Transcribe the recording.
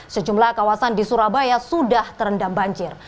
sejumlah kawasan di surabaya sudah terendam banjir